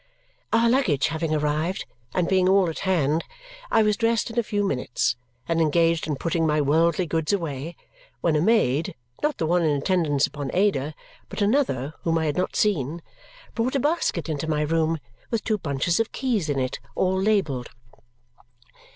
Our luggage having arrived and being all at hand, I was dressed in a few minutes and engaged in putting my worldly goods away when a maid (not the one in attendance upon Ada, but another, whom I had not seen) brought a basket into my room with two bunches of keys in it, all labelled.